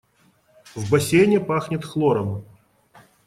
В бассейне пахнет хлором.